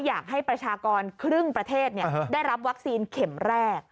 ประชากรครึ่งประเทศได้รับวัคซีนเข็มแรก